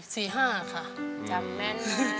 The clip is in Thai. จำแน่